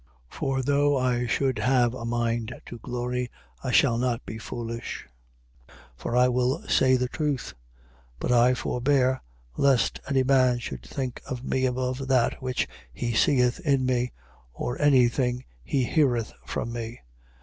12:6. For though I should have a mind to glory, I shall not be foolish: for I will say the truth. But I forbear, lest any man should think of me above that which he seeth in me, or any thing he heareth from me.